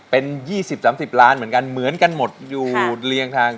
เป็น๒๐๓๐ล้านเหมือนกันเหมือนกันหมดอยู่เรียงทาง